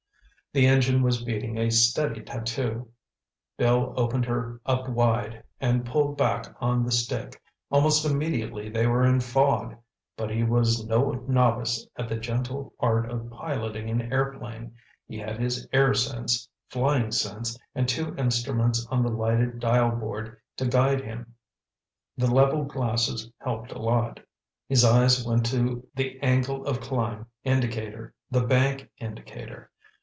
The engine was beating a steady tatoo. Bill opened her up wide and pulled back on the stick. Almost immediately they were in fog. But he was no novice at the gentle art of piloting an airplane. He had his air sense, flying sense, and two instruments on the lighted dial board to guide him. The level glasses helped a lot. His eyes went to the angle of climb indicator, the bank indicator.